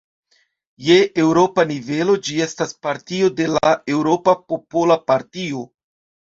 Je eŭropa nivelo, ĝi estas partio de la Eŭropa Popola Partio.